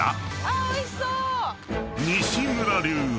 おいしそう！